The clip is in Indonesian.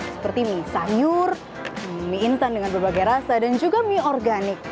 seperti mie sayur mie instan dengan berbagai rasa dan juga mie organik